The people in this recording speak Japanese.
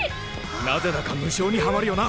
なぜだか無性にハマるよな！